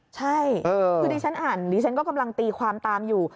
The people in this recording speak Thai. ใช่คือดิฉันอ่านดิฉันก็กำลังตีความตามอยู่